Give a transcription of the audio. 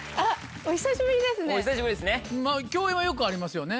お久しぶりですね。